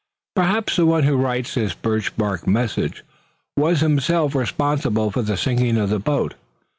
"Perhaps the one who writes this birch bark message was himself responsible for the sinking of the boat.